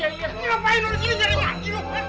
ngapain lu disini jangan lagi lu